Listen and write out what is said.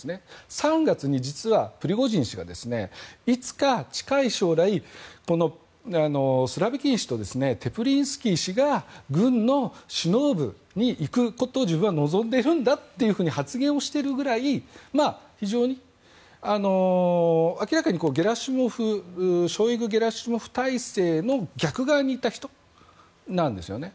３月に実はプリゴジン氏がいつか近い将来スロビキン氏とテプリンスキー氏が軍の首脳部に行くことを自分は望んでいるんだと発言をしているくらい明らかにショイグ、ゲラシモフ体制の逆側に行った人なんですよね。